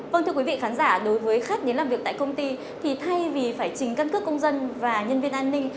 vâng thưa quý vị khán giả đối với khách đến làm việc tại công ty thì thay vì phải trình căn cước công dân và nhân viên an ninh